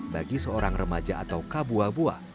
bagi seorang remaja atau kabuabua